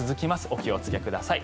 お気をつけください。